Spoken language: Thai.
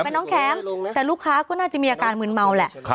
เป็นน้องแข็งแต่ลูกค้าก็น่าจะมีอาการมืนเมาแหละ